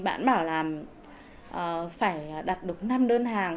bạn bảo là phải đặt được năm đơn hàng